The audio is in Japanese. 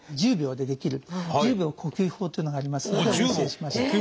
１０秒でできる「１０秒呼吸法」というのがありますのでお教えします。